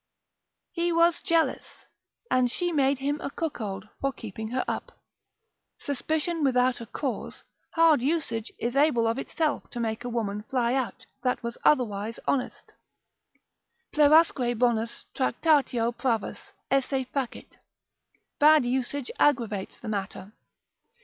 He was jealous, and she made him a cuckold for keeping her up: suspicion without a cause, hard usage is able of itself to make a woman fly out, that was otherwise honest, ———plerasque bonas tractatio pravas Esse facit,——— bad usage aggravates the matter.